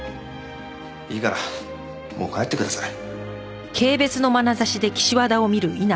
いいからもう帰ってください。